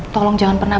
tolong jangan pernah